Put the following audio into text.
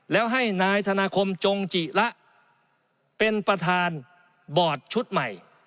แล้วให้นายธนาคมจงจิระเป็นประธานบอร์ดชุดใหม่